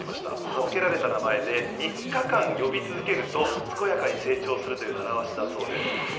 授けられた名前で３日間呼び続けると、健やかに成長するという習わしだそうです。